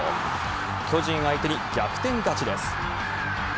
巨人相手に逆転勝ちです。